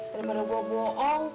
daripada gue bohong